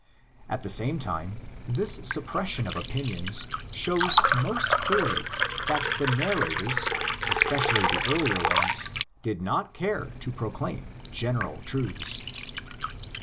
At the same time this sup pression of opinions shows most clearly that the narrators, especially the earlier ones, did not care to proclaim general truths.